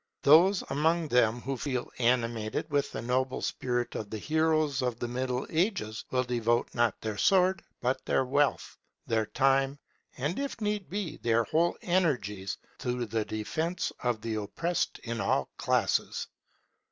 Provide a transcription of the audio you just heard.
Those among them who feel animated with the noble spirit of the heroes of the Middle Ages, will devote not their sword, but their wealth, their time, and, if need be, their whole energies to the defence of the oppressed in all classes.